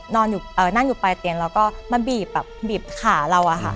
นอนอยู่เอ่อนั่งอยู่ปลายเตียงแล้วก็มาบีบแบบบีบขาเราอ่ะค่ะ